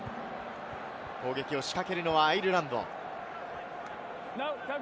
攻撃を仕掛けるのはアイルランド。